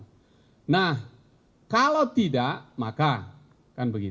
tentu secara etika politik tidak baik kalau sudah berjalan